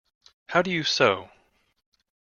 How do you sew?